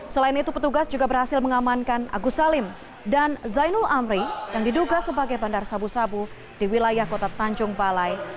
selain itu petugas juga berhasil mengamankan agus salim dan zainul amri yang diduga sebagai bandar sabu sabu di wilayah kota tanjung balai